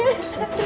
kita keluar sayang